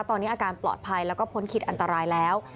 ตอนนี้อาการปลอดภัยแล้วก็พ้นขีดอันตรายแล้ว